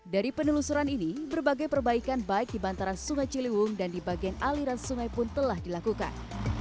dari penelusuran ini berbagai perbaikan baik di bantaran sungai ciliwung dan di bagian aliran sungai pun telah dilakukan